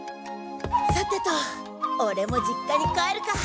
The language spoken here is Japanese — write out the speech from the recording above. さてとオレも実家に帰るか。